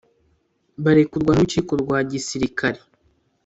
barekurwa n'urukiko rwa gisirikari.